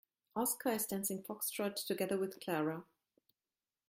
Oscar is dancing foxtrot together with Clara.